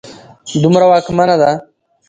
دومره واکمنه ده